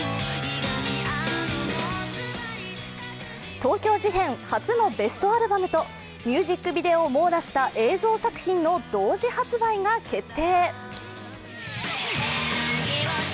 東京事変初のベストアルバムとミュージックビデオを網羅した映像作品の同時発売が決定。